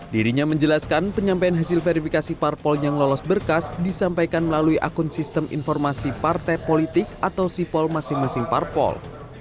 dirinya menjelaskan penyampaian hasil verifikasi parpol yang lolos berkas disampaikan melalui akun sistem informasi partai politik atau sipol masing masing parpol